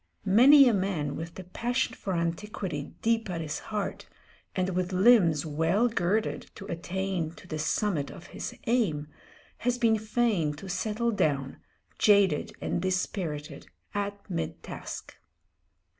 Many a man with the passion for antiquity deep at his heart, and with limbs well girded to attain to the summit of his aim, has been fain to settle down, jaded and dispirited, at mid task.